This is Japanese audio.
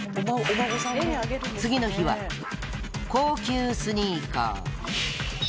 次の日は、高級スニーカー。